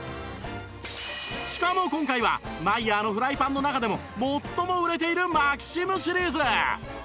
しかも今回はマイヤーのフライパンの中でも最も売れているマキシムシリーズ